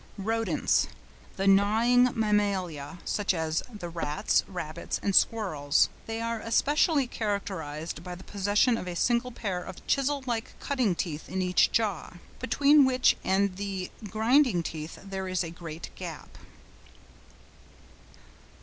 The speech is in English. RODENTS.—The gnawing Mammalia, such as the rats, rabbits, and squirrels. They are especially characterised by the possession of a single pair of chisel like cutting teeth in each jaw, between which and the grinding teeth there is a great gap.